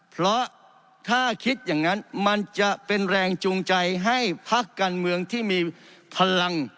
เพราะถ้าคิดอย่างนั้นมันจะเป็นแรงจูงใจให้พักการเมืองที่มีพลัง